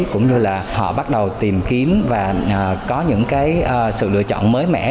cũng như là họ bắt đầu tìm kiếm và có những cái sự lựa chọn mới mẻ